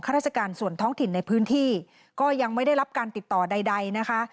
ราชการส่วนท้องถิ่นในพื้นที่ก็ยังไม่ได้รับการติดต่อใดนะคะ